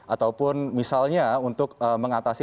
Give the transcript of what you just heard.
ataupun misalnya untuk mengatasi